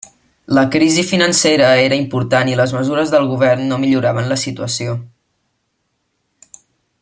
La crisi financera era important i les mesures del govern no milloraven la situació.